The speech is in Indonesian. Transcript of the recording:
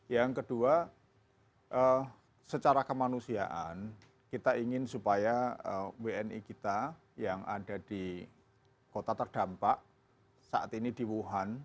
yang kedua secara kemanusiaan kita ingin supaya wni kita yang ada di kota terdampak saat ini di wuhan